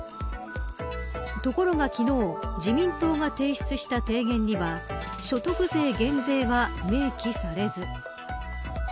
ところが昨日、自民党が提出した提言には所得税減税は明記されず。